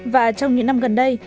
và trong những năm gần đây